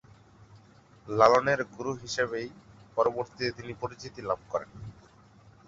লালনের গুরু হিসেবেই পরবর্তীতে তিনি পরিচিতি লাভ করেন।